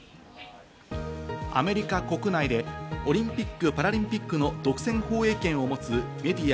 アメリカ国内でオリンピック・パラリンピックの独占放映権を持つメディア